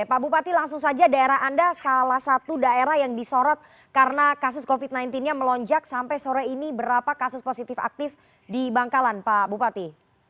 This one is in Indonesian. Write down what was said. pak bupati langsung saja daerah anda salah satu daerah yang disorot karena kasus covid sembilan belas nya melonjak sampai sore ini berapa kasus positif aktif di bangkalan pak bupati